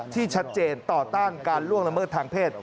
ที่ชัดเจนต่อต้านการล่วงละเมิดทางเพศ